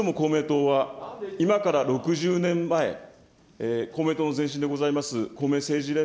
私ども公明党は、今から６０年前、公明党の前身であります